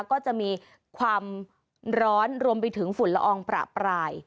ก็จะมีความร้อนรวมไปถึงฝุ่นละอองประปราย